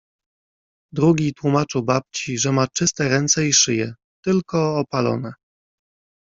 Drugi tłumaczył babci, że ma czyste ręce i szyję, tylko opalone.